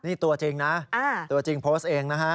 นี่ตัวจริงนะตัวจริงโพสต์เองนะฮะ